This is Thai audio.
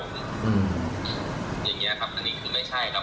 อย่างนี้ครับอันนี้คือไม่ใช่ครับผมจะได้ชี้แจ้ง